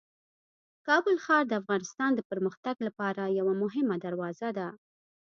کابل ښار د افغانستان د پرمختګ لپاره یوه مهمه دروازه ده.